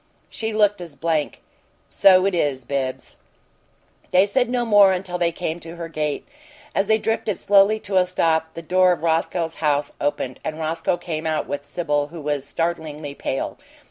She looked as blank. "So it is, Bibbs." They said no more until they came to her gate. As they drifted slowly to a stop, the door of Roscoe's house opened, and Roscoe came out with Sibyl, who was startlingly pale.